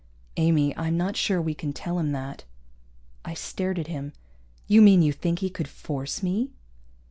"Amy, I'm not sure we can tell him that." I stared at him. "You mean you think he could force me?"